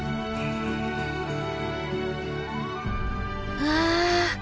うわ！